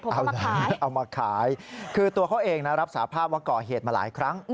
เอานะเอามาขายคือตัวเขาเองนะรับสาภาพว่าก่อเหตุมาหลายครั้ง